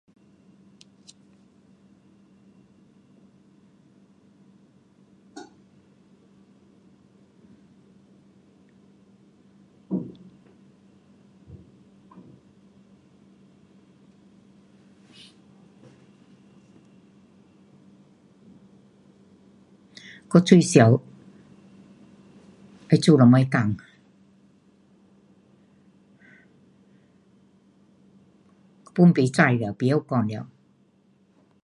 我最想要做什么工，pun不知了，不会讲了。